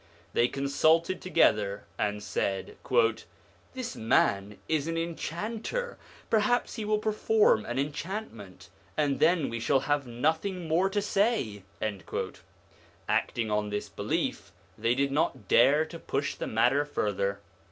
They consulted together and said, ' This man is an enchanter : perhaps he will perform an enchantment, and then we shall have nothing more to say.' Acting on this belief, they did not dare to push the matter further.